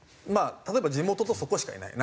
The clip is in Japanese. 例えば地元とそこしかいない。